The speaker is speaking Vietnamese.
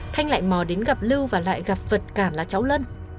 thanh lại mò đến gặp lưu và lại gặp vật cản là cháu lân